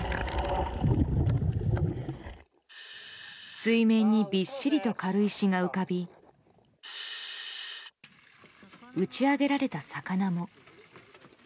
水面にびっしりと軽石が浮かび打ち上げられた魚も。